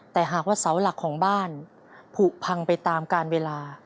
แต่หากว่าเสาหลักของบ้านผูกพังไปตามการเวลา